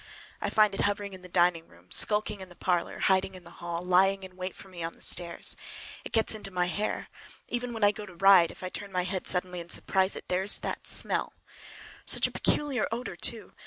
I find it hovering in the dining room, skulking in the parlor, hiding in the hall, lying in wait for me on the stairs. It gets into my hair. Even when I go to ride, if I turn my head suddenly and surprise it—there is that smell! Such a peculiar odor, too!